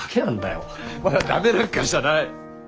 お前は駄目なんかじゃない。